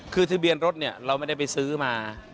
คือทะเบียนรถเนี่ยเราไม่ได้ไปซื้อมา